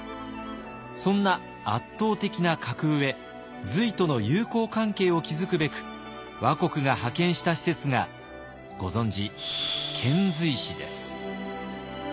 そんな圧倒的な格上隋との友好関係を築くべく倭国が派遣した使節がご存じ遣隋使です。